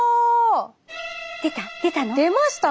出た？